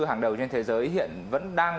hàng đầu trên thế giới hiện vẫn đang